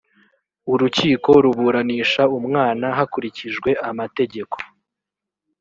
urukiko ruburanisha umwana hakurikijwe amategeko